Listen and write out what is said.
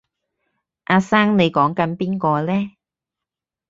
阿生你講緊邊個呢？